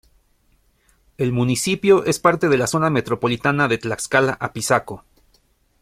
El municipio es parte de la Zona Metropolitana de Tlaxcala-Apizaco.